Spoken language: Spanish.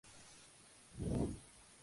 Pero pueden ocurrir durante todo el año.